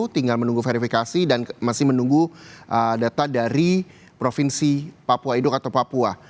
tinggal menunggu verifikasi dan masih menunggu data dari provinsi papua induk atau papua